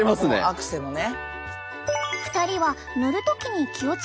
アクセもね。